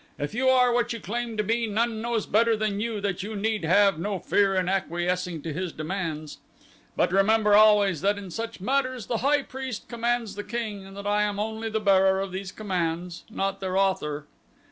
If you are what you claim to be none knows better than you that you need have no fear in acquiescing to his demands, but remember always that in such matters the high priest commands the king and that I am only the bearer of these commands, not their author."